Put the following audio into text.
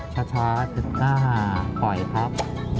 ช้า๑๕ห่าปล่อยครับ